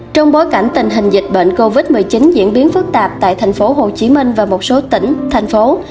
trong bối cảnh tình hình dịch bệnh covid một mươi chín diễn biến phức tạp tại thành phố hồ chí minh và một số tỉnh thành phố